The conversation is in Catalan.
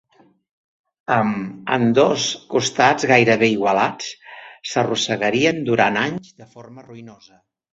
Amb ambdós costats gairebé igualats, s'arrossegarien durant anys de forma ruïnosa.